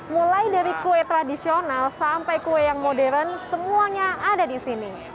mulai dari kue tradisional sampai kue yang modern semuanya ada di sini